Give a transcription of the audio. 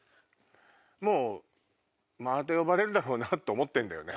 もう「また呼ばれるだろうな」と思ってんだよね？